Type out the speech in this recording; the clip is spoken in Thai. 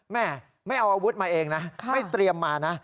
แม่ไม่เอาอาวุธมาเองนะไม่เตรียมมานะ